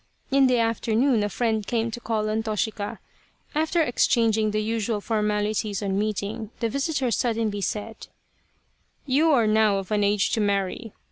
In the afternoon a friend came to call on Toshika. After exchanging the usual formalities on meeting, the visitor suddenly said :" You are now of an age to marry.